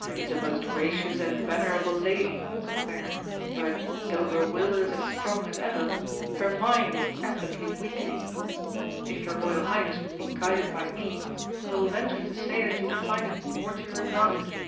"She is a most gracious and venerable lady," said the Baron; "but, though her will is as strong as ever, her mind is evidently weakening. If your Royal Highness would be guided by me, I will venture to say that you would find it more to your advantage."